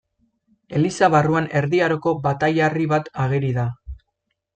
Eliza barruan Erdi Aroko bataiarri bat ageri da.